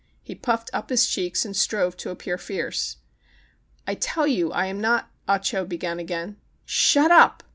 He puffed up his cheeks and strove to appear fierce. "I tell you I am not ã " Ah Cho began again. "Shut up!"